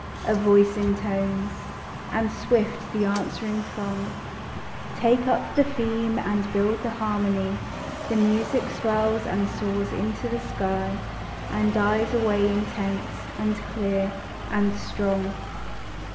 A voice intones; and swift the answering throng Take up the theme and build the harmony; The music swells and soars into the sky And dies away intense, and clear and strong.